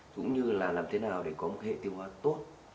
cũng như là làm thế nào để có một hệ tiêu hóa tốt